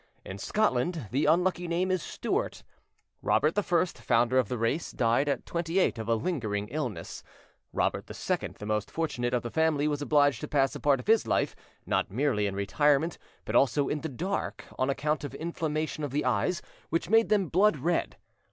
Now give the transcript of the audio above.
In Scotland, the unlucky name is "Stuart". Robert I, founder of the race, died at twenty eight of a lingering illness. Robert II, the most fortunate of the family, was obliged to pass a part of his life, not merely in retirement, but also in the dark, on account of inflammation of the eyes, which made them blood red.